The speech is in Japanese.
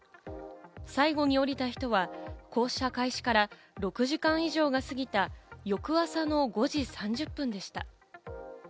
最後に降りた人は降車開始から６時間以上が過ぎた翌朝の５時３０分でした。